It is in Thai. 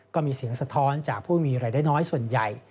ก็มีเสียงสะท้อนจากผู้มีรายได้น้อยส่วนใหญ่